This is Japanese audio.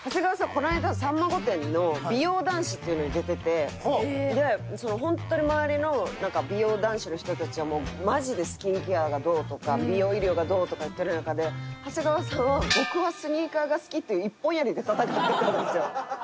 この間『さんま御殿！！』の美容男子っていうのに出ててホントに周りの美容男子の人たちはもうマジでスキンケアがどうとか美容医療がどうとか言ってる中で長谷川さんは「僕はスニーカーが好き」っていう一本槍で戦ってたんですよ。